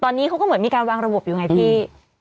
ตอนนี้เขาก็เหมือนมีการวางระบบอยู่ไงพี่